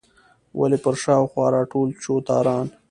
ولې پر شا او خوا راټول چوتاران.